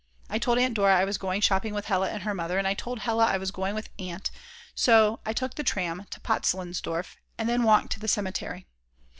I told Aunt Dora I was going shopping with Hella and her mother, and I told Hella I was going with Aunt, and so I took the tram to Potzleinsdorf and then walked to the cemetery.